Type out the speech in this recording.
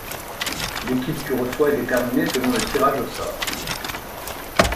L'équipe qui reçoit est déterminée selon le tirage au sort.